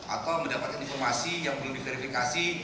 atau mendapatkan informasi yang belum diverifikasi